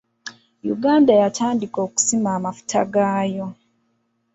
Uganda yatandika okusima amafuta gaayo.